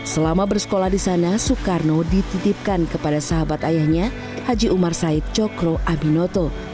selama bersekolah di sana soekarno dititipkan kepada sahabat ayahnya haji umar said cokro abinoto